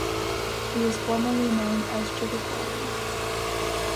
It was formerly known as Chicacole.